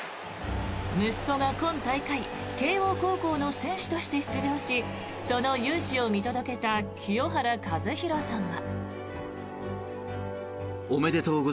息子が今大会慶応高校の選手として出場しその雄姿を見届けた清原和博さんは。